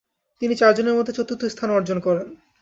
তিনি চারজনের মধ্যে চতুর্থ স্থান অর্জন করেন।